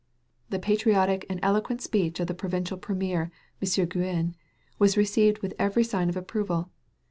The patriotic and eloquent speech of the provincial Premier, M. Grouin, was received with every sign of approval.